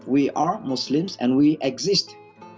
kita adalah muslim dan kita wujud